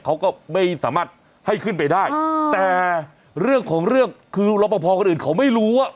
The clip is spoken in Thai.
เขาก็ไม่สามารถให้ขึ้นไปได้แต่เรื่องของเรื่องคือรับประพอคนอื่นเขาไม่รู้ว่า